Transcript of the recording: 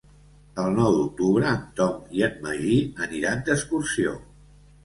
El nou d'octubre en Tom i en Magí aniran d'excursió.